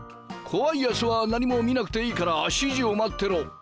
怖いやつは何も見なくていいから指示を待ってろ。